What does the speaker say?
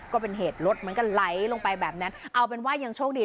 ก็เป็นเหตุรถมันก็ไหลลงไปแบบนั้นเอาเป็นว่ายังโชคดี